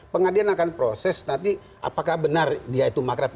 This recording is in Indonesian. pengadilan akan proses nanti apakah benar dia itu makrab